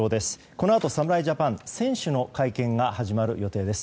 このあと侍ジャパン選手の会見が始まる予定です。